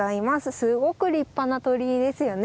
すごく立派な鳥居ですよね。